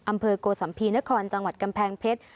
อำเภอโกสัมภีนครจังหวัดกำแพงเพชร